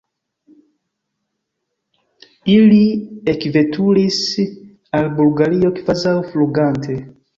Ili ekveturis al Bulgario kvazaŭ flugante.